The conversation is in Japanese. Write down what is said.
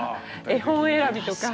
絵本選びとか。